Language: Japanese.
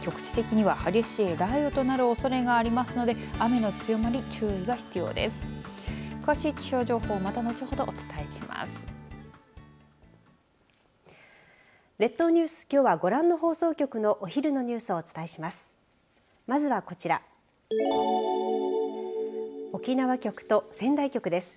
きょうはご覧の放送局のお昼のニュースをお伝えします。